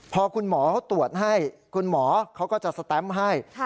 พอคุณหมอเขาตรวจให้คุณหมอเขาก็จะสแตมป์ให้